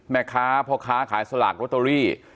แม่ค้าพ่อค้าขายสลากโรตเตอรี่